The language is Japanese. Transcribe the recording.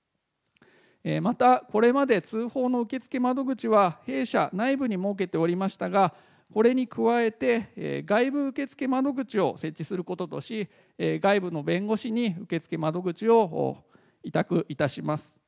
また、これまで通報の受け付け窓口は弊社内部に設けておりましたが、これに加えて、外部受け付け窓口を設置することとし、外部の弁護士に受け付け窓口を委託いたします。